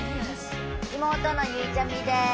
妹のゆいちゃみです。